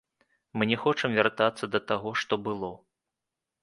Мы не хочам вяртацца да таго, што было.